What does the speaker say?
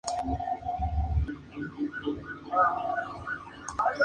Solo se construyeron dos unidades de el.